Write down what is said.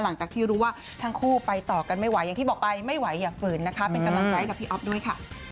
หลังจากที่รู้ว่าทั้งคู่ไปต่อกันไม่ไหวอย่างที่บอกไปไม่ไหวอย่าฝืนนะคะเป็นกำลังใจให้กับพี่อ๊อฟด้วยค่ะ